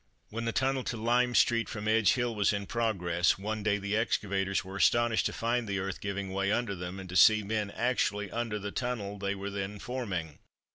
When the tunnel to Lime street from Edge hill was in progress, one day, the excavators were astonished to find the earth giving way under them, and to see men actually under the tunnel they were then forming.